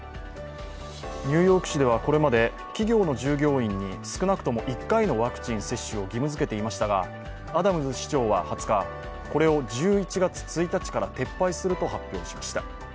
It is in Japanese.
ニューヨーク市ではこれまで企業の従業員に少なくとも１回のワクチン接種を義務づけていましたがアタムズ市長は２０日、これを１１月１日から撤廃すると発表しました。